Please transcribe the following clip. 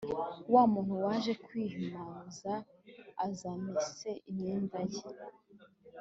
wa muntu waje kwihumanuza azamese imyenda ye